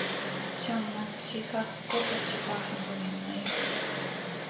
Цёмна, ціха, копаццю пахне гуменнаю.